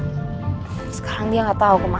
sekarang dia nggak tahu kemana